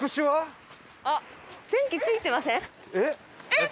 えっ？